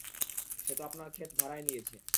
তো সে আপনার ক্ষেত ভাড়ায় নিয়েছে।